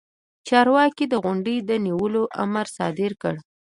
چارواکي د غونډې د نیولو امر صادر کړ.